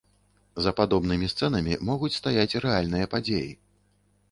За падобнымі сцэнамі могуць стаяць рэальныя падзеі.